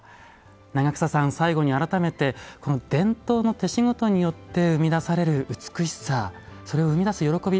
長艸さん最後に改めてこの伝統の手しごとによって生み出される美しさそれを生み出す喜び